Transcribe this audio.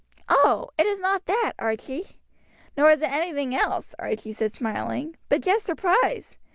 "Oh! it is not that, Archie." "Nor is it anything else," Archie said smiling, "but just surprise.